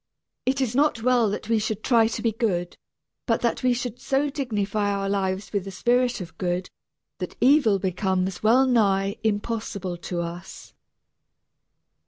It is not well that we should try to be good, but that we should so dignify our lives with the spirit of good that evil becomes well nigh impossible to us.